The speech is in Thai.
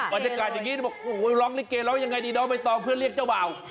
บรรยากาศอย่างนี้บอกโอ้โหร้องลิเกร้องยังไงดีน้องใบตองเพื่อเรียกเจ้าบ่าว